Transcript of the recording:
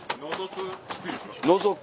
のぞく？